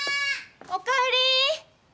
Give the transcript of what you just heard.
おかえり。